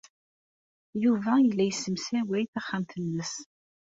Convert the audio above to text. Yuba yella yessemsaway taxxamt-nnes.